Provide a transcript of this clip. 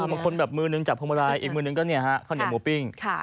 อีกคนแบบมือนึงจับห้มลายอีกมือนึงก็ข้าวเหนียวหมูปิ้ง